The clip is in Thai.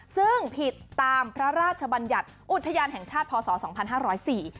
ซึ่งผิดตามพระราชบัญญัติอุทยานแห่งชาติพศสองพันห้าร้อยสี่